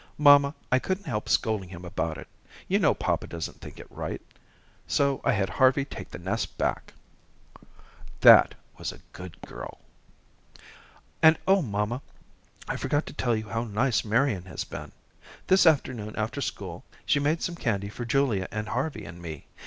Mamma, I couldn't help scolding him about it. You know papa doesn't think it right. So I had Harvey take the nest back." "That was a good girl." "And oh, mamma, I forgot to tell you how nice Marian has been. This afternoon after school, she made some candy for Julia and Harvey and me.